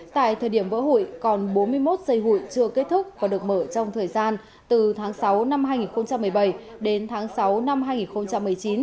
tại thời điểm vỡ hụi còn bốn mươi một giây hụi chưa kết thúc và được mở trong thời gian từ tháng sáu năm hai nghìn một mươi bảy đến tháng sáu năm hai nghìn một mươi chín